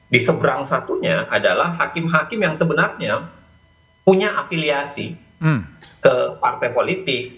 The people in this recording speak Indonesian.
di seberang satunya adalah hakim hakim yang sebenarnya punya afiliasi ke partai politik